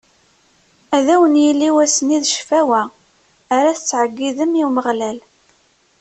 Ad wen-yili wass-nni d ccfawa ara tettɛeggidem i Umeɣlal.